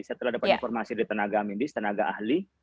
setelah dapat informasi dari tenaga medis tenaga ahli